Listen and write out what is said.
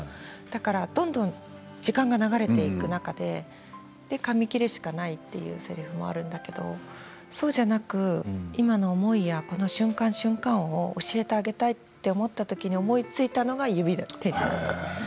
だから、どんどん時間が流れていく中で紙切れしかないというせりふもあるんだけどそうじゃなく今の思いやこの瞬間、瞬間を教えてあげたいと思った時に思いついたのが指点字なんです。